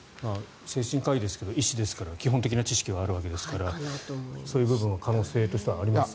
精神科医ですけど医師ですから基本的な知識はあるわけですからそういう部分は可能性としてはありますか。